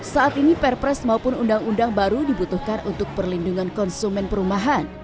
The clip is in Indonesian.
saat ini perpres maupun undang undang baru dibutuhkan untuk perlindungan konsumen perumahan